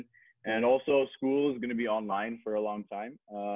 dan juga sekolah akan berada di luar biasa selama lama